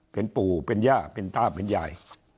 เป็นปู่เป็นย่าเป็นตาเป็นยาย